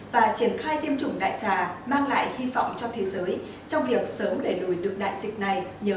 và triển khai tiêm chủng đại trà mang lại hy vọng cho thế giới trong việc sớm đẩy lùi được đại dịch này nhờ